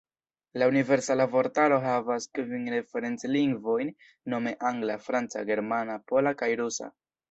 La Universala Vortaro havas kvin referenc-lingvojn, nome angla, franca, germana, pola kaj rusa.